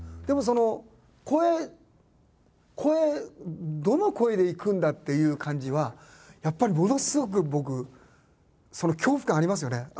でもその声どの声でいくんだっていう感じはやっぱりものすごく僕恐怖感ありますよね。